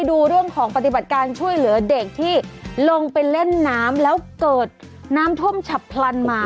ดูเรื่องของปฏิบัติการช่วยเหลือเด็กที่ลงไปเล่นน้ำแล้วเกิดน้ำท่วมฉับพลันมา